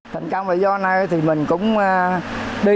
thành công là do này thì mình cũng đi